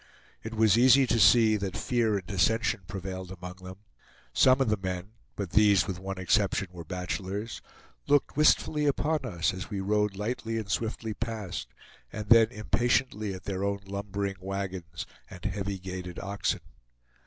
It was easy to see that fear and dissension prevailed among them; some of the men but these, with one exception, were bachelors looked wistfully upon us as we rode lightly and swiftly past, and then impatiently at their own lumbering wagons and heavy gaited oxen.